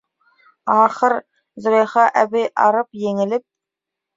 Ахыр, Зөләйха әбей, арып, еңелеп: